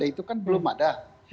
itu kan belum ada